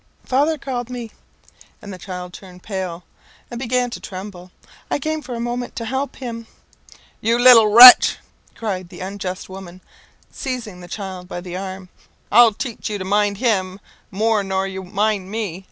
"Father called me," and the child turned pale, and began to tremble. "I came for a moment to help him." "You little wretch!" cried the unjust woman, seizing the child by the arm. "I'll teach you to mind him more nor you mind me.